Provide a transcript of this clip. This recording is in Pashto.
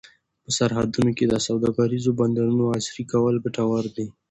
په سرحدونو کې د سوداګریزو بندرونو عصري کول ګټور دي.